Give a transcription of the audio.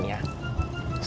nanti akang atur strateginya